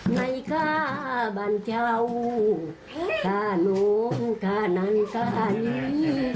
ในข้าบ้านเฉาข้าน้องขนางข่านี้